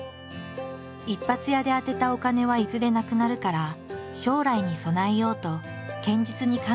一発屋で当てたお金はいずれなくなるから将来に備えようと堅実に考えている。